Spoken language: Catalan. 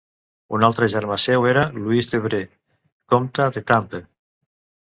Un altre germà seu era Lluís d'Évreux, comte d'Étampes.